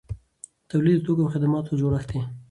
تولید د توکو او خدماتو جوړښت دی.